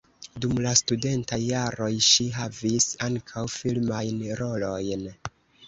Dum la studentaj jaroj ŝi havis ankaŭ filmajn rolojn.